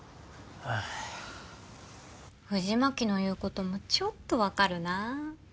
藤巻の言うこともちょっと分かるな。